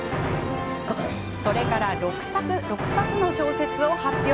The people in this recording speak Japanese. それから６冊の小説を発表。